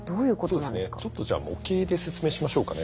ちょっとじゃあ模型で説明しましょうかね。